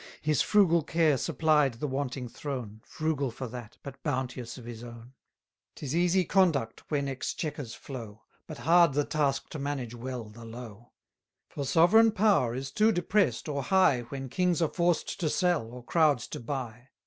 His frugal care supplied the wanting throne Frugal for that, but bounteous of his own: 'Tis easy conduct when exchequers flow; But hard the task to manage well the low; For sovereign power is too depress'd or high, When kings are forced to sell, or crowds to buy.